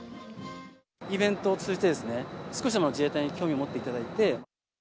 イベントを通じてですね、少しでも自衛隊に興味を持っていただいて。